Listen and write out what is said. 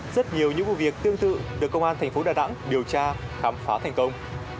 rất nhiều những vụ việc tương tự được công an thành phố đà nẵng điều tra khám phá thành công